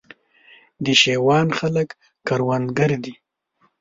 د شېوان خلک کروندګر دي